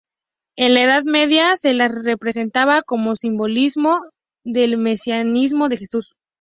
En la Edad Media se las representaba como simbolismo del mesianismo de Jesús.